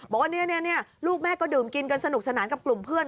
บอกว่าเนี่ยลูกแม่ก็ดื่มกินกันสนุกสนานกับกลุ่มเพื่อน